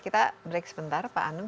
kita break sebentar pak anung